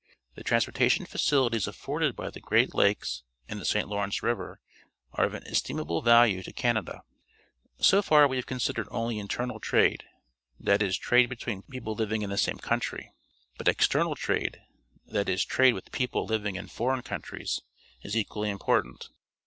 The transportation facilities afforded by the Great Lakes and the St. Lawrence River are of inestimable value to Canada. So far we have considered only internal trade, that is, trade between people living in the same country. But external trade, that is, trade with people livhig in foreign countries, is equally important.